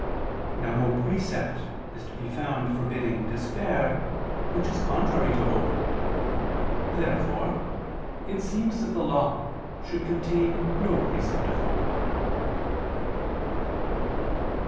Now no precept is to be found forbidding despair which is contrary to hope. Therefore it seems that the Law should contain no precept of hope.